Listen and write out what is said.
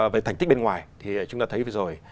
về thành tích bên ngoài thì chúng ta thấy vừa rồi